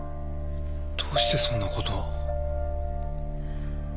どうしてそんな事を？